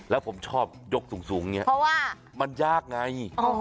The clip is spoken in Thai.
แล้วผมชอบยกสูงอย่างนี้เพราะว่ามันยากไง